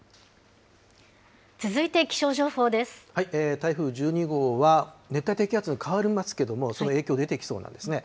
台風１２号は、熱帯低気圧に変わりますけれども、その影響出てきそうなんですね。